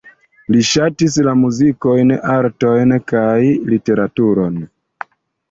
Li ŝatis la muzikojn, artojn kaj literaturon.